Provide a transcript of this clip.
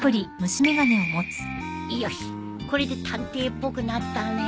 よしこれで探偵っぽくなったね。